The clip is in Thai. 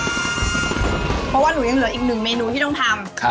เพราะว่าหนูยังเหลืออีกหนึ่งเมนูที่ต้องทำ